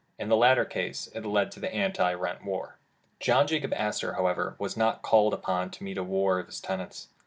In the latter case it led to the Anti rent War. John Jacob Astor, however, was not called upon to meet a war of his tenants.